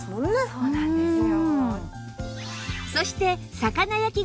そうなんですよ。